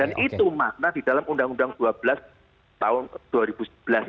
dan itu makna di dalam undang undang dua belas tahun dua ribu sebelas itu